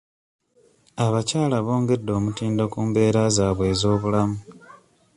Abakyala bongedde ku mutindo gw'embeera zaabwe ez'obulamu.